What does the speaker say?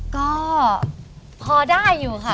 ก็พอได้อยู่ค่ะ